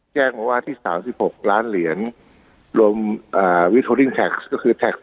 แจ้งมาว่าที่๓๖ล้านเหรียญรวมวิโทริ่งแท็กซ์ก็คือแท็ก